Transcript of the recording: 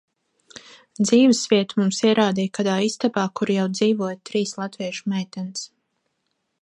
Dzīves vietu mums ierādīja kādā istabā, kur jau dzīvoja trīs latviešu meitenes.